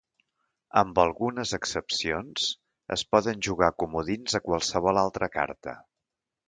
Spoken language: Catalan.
Amb algunes excepcions, es poden jugar comodins a qualsevol altra carta.